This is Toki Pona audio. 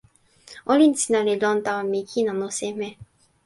olin sina li lon tawa mi kin anu seme?